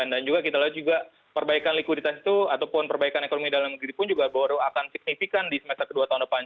dan juga kita lihat juga perbaikan likuiditas itu ataupun perbaikan ekonomi dalam negeri pun juga baru akan signifikan di semester kedua tahun depan